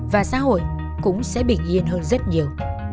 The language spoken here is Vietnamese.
và xã hội cũng sẽ bình yên hơn rất nhiều